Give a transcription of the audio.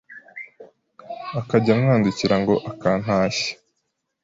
akajya amwandikira ngo akantashya